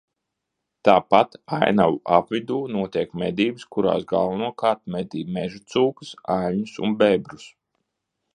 Tāpat ainavu apvidū notiek medības, kurās galvenokārt medī mežacūkas, aļņus un bebrus.